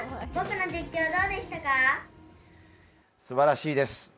すばらしいです。